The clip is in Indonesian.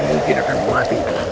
kamu tidak akan mati